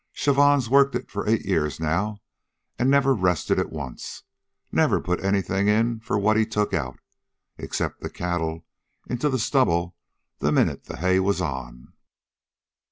Chavon's worked it for eight years now, an' never rested it once, never put anything in for what he took out, except the cattle into the stubble the minute the hay was on."